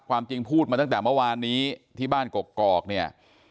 จริงพูดมาตั้งแต่เมื่อวานนี้ที่บ้านกกอกเนี่ย